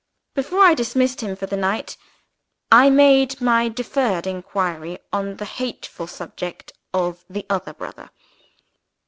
Before I dismissed him for the night, I made my deferred inquiry on the hateful subject of the other brother.